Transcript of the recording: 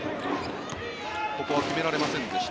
ここは決められませんでした。